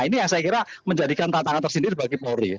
ini yang saya kira menjadikan tantangan tersendiri bagi polri